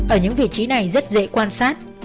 ở những vị trí này rất dễ quan sát